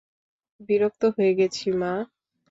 বিরক্ত হয়ে গেছি, মা!